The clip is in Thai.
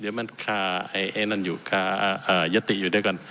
เดี๋ยวมันคาไอ้นั่นอยู่ค่ายติอยู่ด้วยกัน